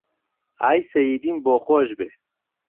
ئای سهییدیم بۆ خۆش بێ